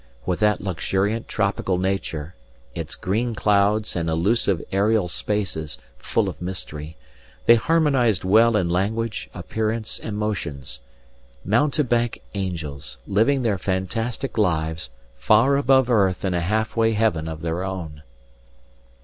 With that luxuriant tropical nature, its green clouds and illusive aerial spaces, full of mystery, they harmonized well in language, appearance, and motions mountebank angels, living their fantastic lives far above earth in a half way heaven of their own.